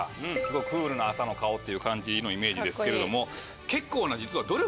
クールな朝の顔っていう感じのイメージですけれども結構な実は。